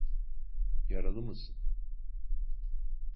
Yaralı mısın?